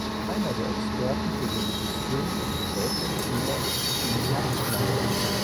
Einer der Experten für dieses System ist der deutsche Spieler Ilja Schneider.